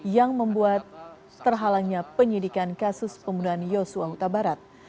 yang membuat terhalangnya penyidikan kasus pembunuhan yosua utabarat